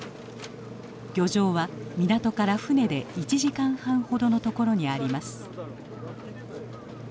漁場は港から船で１時間半ほどの所にあります。